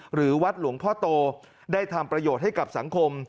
หรือวัดหลวงพ่อโตได้ทำประโยชน์ให้กับสังคม